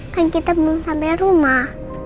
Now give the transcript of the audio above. kan kita belum sampai rumah